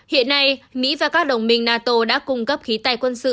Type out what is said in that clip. hiện nay mỹ và các đồng minh nato đã cung cấp khí tài quân sự